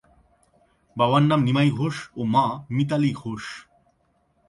বাবার নাম নিমাই ঘোষ ও মা মিতালী ঘোষ।